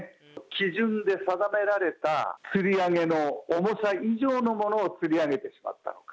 基準で定められたつり上げの重さ以上のものをつり上げてしまったか。